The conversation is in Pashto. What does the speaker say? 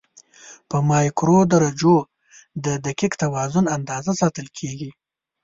په مایکرو درجو د دقیق توازن اندازه ساتل کېږي.